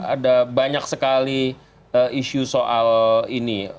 ada banyak sekali isu soal ini